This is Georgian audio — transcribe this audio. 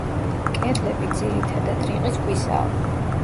კედლები, ძირითადად, რიყის ქვისაა.